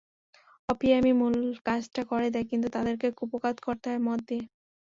অপিয়ামই মূল কাজটা করে দেয়, কিন্তু তাদেরকে কুপোকাত করতে হয় মদ দিয়ে।